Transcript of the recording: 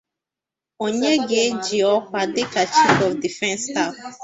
onye ga-eji ọkwa dịka 'Chief of Defence Staff'